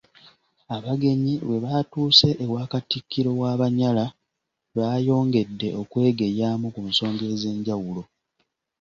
Abagenyi bwe baatuuse ewa Katikkiro w'Abanyala, baayongedde okwegeyaamu ku nsonga ez'enjawulo.